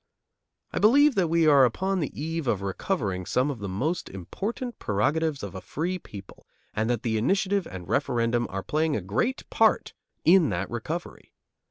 I believe that we are upon the eve of recovering some of the most important prerogatives of a free people, and that the initiative and referendum are playing a great part in that recovery.